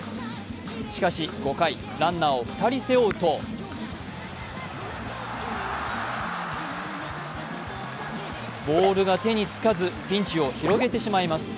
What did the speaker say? しかし、５回、ランナーを２人背負うとボールが手につかず、ピンチを広げてしまいます。